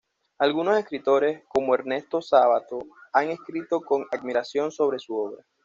Algunos escritores, como Ernesto Sabato, han escrito con admiración sobre su obra.